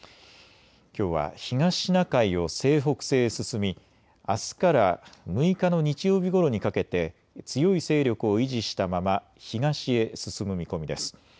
きょうは東シナ海を西北西へ進みあすから６日の日曜日ごろにかけて強い勢力を維持したまま東へ進む見込みです。